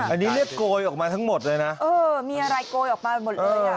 อันนี้เรียกโกยออกมาทั้งหมดเลยนะเออมีอะไรโกยออกไปหมดเลยอ่ะ